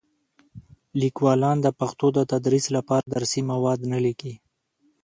لیکوالان د پښتو د تدریس لپاره درسي مواد نه لیکي.